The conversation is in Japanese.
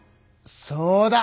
そうだ！